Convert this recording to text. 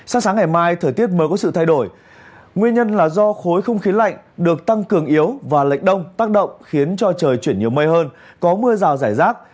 sáng sáng ngày mai thời tiết mới có sự thay đổi nguyên nhân là do khối không khí lạnh được tăng cường yếu và lệch đông tác động khiến cho trời chuyển nhiều mây hơn có mưa rào rải rác